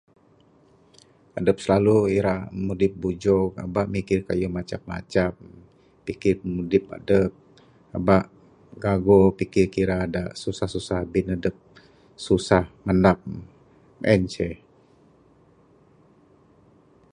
Edep slalu irak mudip bujok abak mikir keyuh macam-macam, pikir pimudip edep, eba gago pikir kira de susah-susah bin edep susah, mendam, en ce.